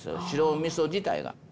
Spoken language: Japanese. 白みそ自体が。